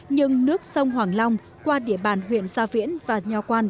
nhưng nước sông hoàng long qua địa bàn huyện sa viễn và nho quang